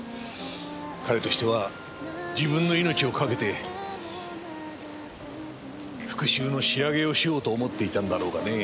彼としては自分の命をかけて復讐の仕上げをしようと思っていたんだろうがねえ。